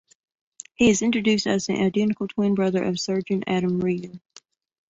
He is introduced as the identical twin brother of surgeon Adam Regan.